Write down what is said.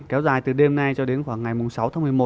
kéo dài từ đêm nay cho đến khoảng ngày sáu tháng một mươi một